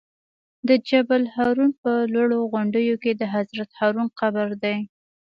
د جبل الهارون په لوړو غونډیو کې د حضرت هارون قبر دی.